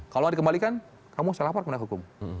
kalau nggak dikembalikan kamu salah parkur hukum